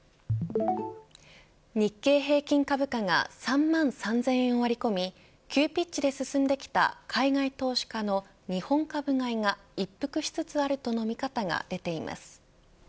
日経平均株価が３万３０００円を割り込み急ピッチで進んできた海外投資家の日本株買いが一服しつつあるとの見方が出ています。